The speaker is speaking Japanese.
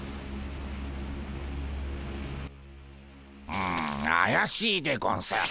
うんあやしいでゴンス。